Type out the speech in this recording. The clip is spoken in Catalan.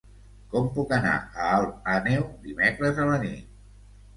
Com puc anar a Alt Àneu dimecres a la nit?